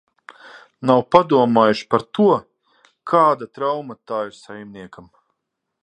Nav padomājuši par to, kāda trauma tā ir saimniekam.